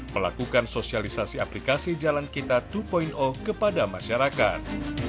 melakukan sosialisasi aplikasi jalan kita dua kepada masyarakat